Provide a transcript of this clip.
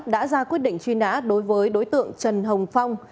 đã ra quyết định truy nã đối với đối tượng trần hồng phong